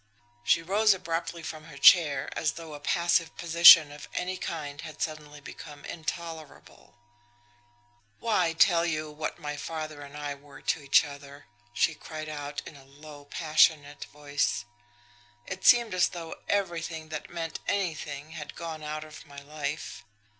She rose abruptly from her chair, as though a passive position of any kind had suddenly become intolerable. "Why tell you what my father and I were to each other!" she cried out in a low, passionate voice. "It seemed as though everything that meant anything had gone out of my life.